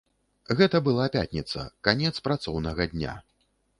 Гэта была пятніца, канец працоўнага дня.